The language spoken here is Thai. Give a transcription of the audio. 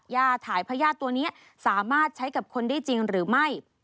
ถ่ายพญาติตัวนี้สามารถใช้กับคนได้จริงหรือไม่